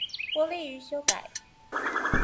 不利於修改